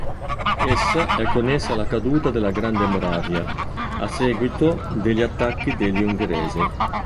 Essa è connessa alla caduta della Grande Moravia a seguito degli attacchi degli Ungheresi.